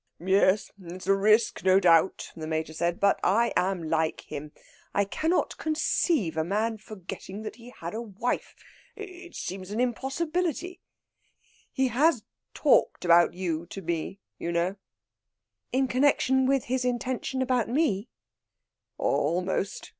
"Yes, it is a risk, no doubt," the Major said. "But I am like him. I cannot conceive a man forgetting that he had a wife. It seems an impossibility. He has talked about you to me, you know." "In connexion with his intention about me?" "Almost.